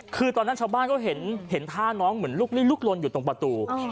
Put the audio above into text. คือตอนนั้นชาวบ้านก็เห็นท่าน้องเหมือนลุกลิ่งลุกลนอยู่ตรงประตู